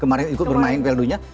kemarin ikut bermain peldu nya